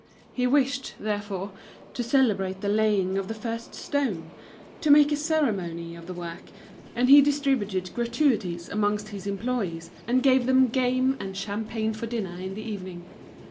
He wished, therefore, to celebrate the laying of the first stone, to make a ceremony of the work, and he distributed gratuities amongst his employees, and gave them game and champagne for dinner in the evening.